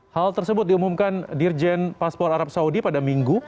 hal tersebut diumumkan dirjen paspor arab saudi pada minggu